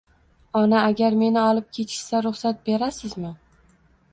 Ona agar meni olib ketishsa ruxsat berasizmi?